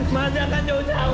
mar jangan jauh jauh